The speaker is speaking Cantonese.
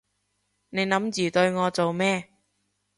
你諗住對我做咩？